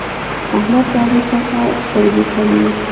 احمد له علي څخه سترګه کوي.